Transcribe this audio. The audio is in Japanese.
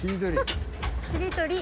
しりとり。